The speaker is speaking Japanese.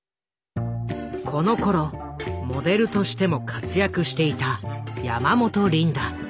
このころモデルとしても活躍していた山本リンダ。